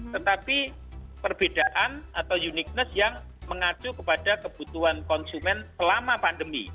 tetapi perbedaan atau uniqueness yang mengacu kepada kebutuhan konsumen selama pandemi